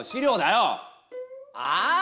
ああ！